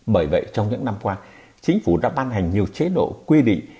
bởi vậy trong những năm qua chính phủ đã ban hành nhiều chế độ quy định